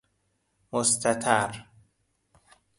مستتر